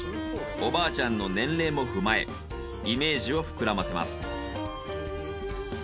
おばあちゃんの年齢も踏まえイメージを膨らませます。